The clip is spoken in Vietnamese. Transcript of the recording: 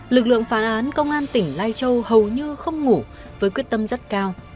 lực lượng phán án công an tỉnh lai châu hầu như không ngủ với quyết tâm rất cao